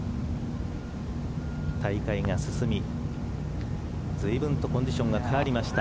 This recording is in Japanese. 大会が進み随分とコンディションが変わりました。